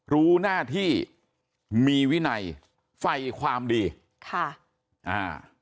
รู้หน้าที่มีวินัยไฟความดีค่ะอ่า